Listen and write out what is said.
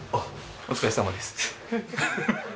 お疲れさまです。